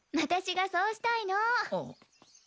私がそうしたいの！